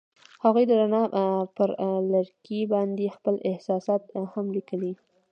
هغوی د رڼا پر لرګي باندې خپل احساسات هم لیکل.